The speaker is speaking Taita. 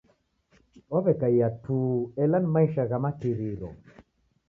Waw'ekaia tu ela ni maisha gha matiriro.